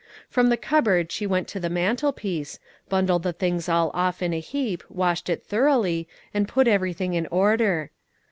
From the cupboard she went to the mantelpiece, bundled the things all off in a heap, washed it thoroughly, and put everything in order.